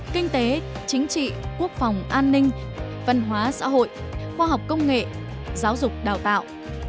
kinh tế chính trị quốc phòng an ninh văn hóa xã hội khoa học công nghệ giáo dục đào tạo